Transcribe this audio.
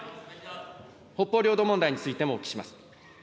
北方領土問題についてもお聞きします。